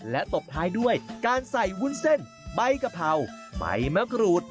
และตบท้ายด้วยการใส่วุ้นเส้นใบกะเพราใบมะกรูด